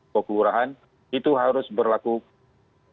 kekurahan itu harus berlaku untuk membatasi jonasi jonasi wilayah